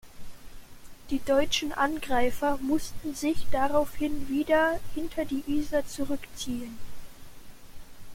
Die deutschen Angreifer mussten sich daraufhin wieder hinter die Yser zurückziehen.